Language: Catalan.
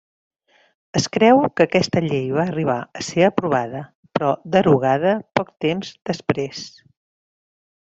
Es creu que aquesta llei va arribar a ser aprovada, però derogada poc temps després.